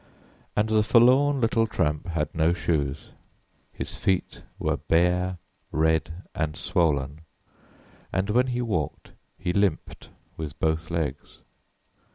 And the forlorn little tramp had no shoes; his feet were bare, red, and swollen, and when he walked he limped with both legs.